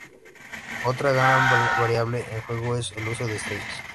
Otra gran variable en juego es el uso de estrellas.